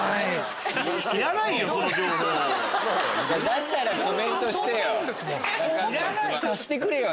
だったらコメントしてよ。